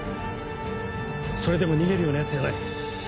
それでも逃げるようなヤツじゃない。